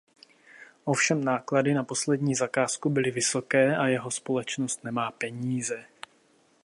Ovšem náklady na poslední zakázku byly vysoké a jeho společnost nemá peníze.